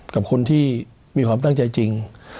กับคนที่มีความตั้งใจจริง